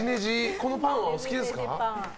このパンはお好きですか？